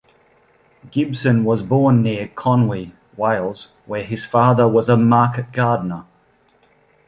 Gibson was born near Conwy, Wales, where his father was a market gardener.